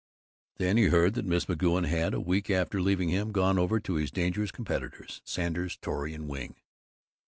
Then he heard that Miss McGoun had, a week after leaving him, gone over to his dangerous competitors, Sanders, Torrey and Wing.